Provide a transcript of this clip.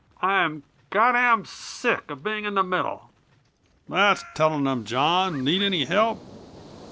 I'm goddam sick of being in the middle." "That's telling them, John! Need any help?"